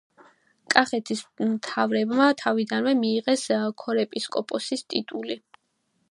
კახეთის მთავრებმა თავიდანვე მიიღეს ქორეპისკოპოსის ტიტული.